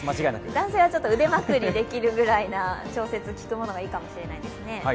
男性は腕まくりできるくらい調整のきくものがいいかもしれないですね。